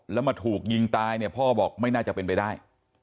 แล้วมาถูกยิงตายเนี่ยพ่อบอกไม่น่าจะเป็นไปได้